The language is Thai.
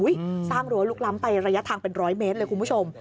สร้างรั้วลุกล้ำไประยะทางเป็นร้อยเมตรเลยคุณผู้ชม